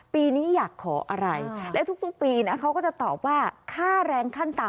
ปีนี้อยากขออะไรและทุกปีนะเขาก็จะตอบว่าค่าแรงขั้นต่ำ